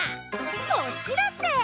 こっちだって！